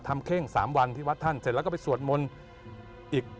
ทำเคร่งสามวันที่วัดท่านเสร็จแล้วก็ไปสวดมนตร์อีก